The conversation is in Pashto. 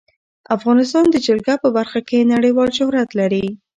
افغانستان د جلګه په برخه کې نړیوال شهرت لري.